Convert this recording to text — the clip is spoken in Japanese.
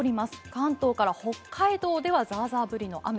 関東から北海道ではザーザー降りの雨。